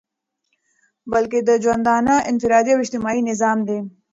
بلكي دژوندانه انفرادي او اجتماعي نظام دى